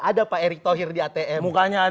ada pak erick thohir di atm mukanya